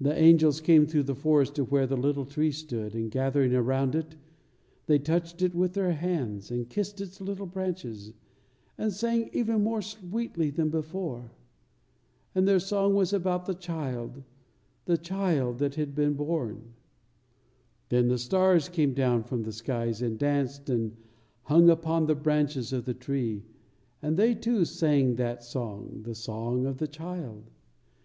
The angels came through the forest to where the little tree stood, and gathering around it, they touched it with their hands, and kissed its little branches, and sang even more sweetly than before. And their song was about the Child, the Child, the Child that had been born. Then the stars came down from the skies and danced and hung upon the branches of the tree, and they, too, sang that song, the song of the Child.